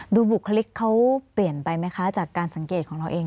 บุคลิกเขาเปลี่ยนไปไหมคะจากการสังเกตของเราเอง